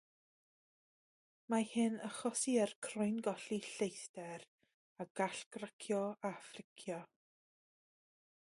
Mae hyn achosi i'r croen golli lleithder a gall gracio a phlicio.